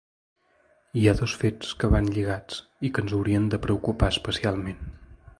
Hi ha dos fets que van lligats i que ens haurien de preocupar especialment.